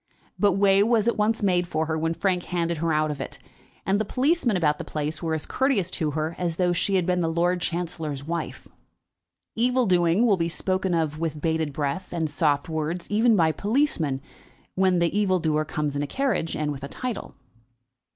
But way was at once made for her when Frank handed her out of it, and the policemen about the place were as courteous to her as though she had been the Lord Chancellor's wife. Evil doing will be spoken of with bated breath and soft words even by policemen, when the evil doer comes in a carriage, and with a title.